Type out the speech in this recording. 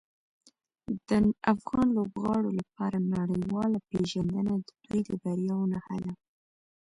د افغان لوبغاړو لپاره نړیواله پیژندنه د دوی د بریاوو نښه ده.